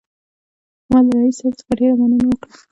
ما له رییس صاحب څخه ډېره مننه وکړه.